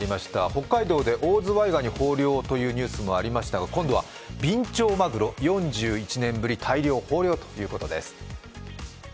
北海道でオオズワイガニ豊漁というニュースがありましたが、今度はビンチョウマグロ、４１年ぶり大漁、豊漁という話題です。